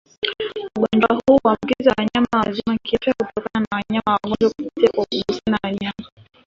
Ugonjwa huu huambukiza wanyama wazima kiafya kutoka kwa wanyama wagonjwa kupitia kwa kugusana Wanyama